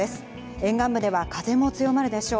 沿岸部では風も強まるでしょう。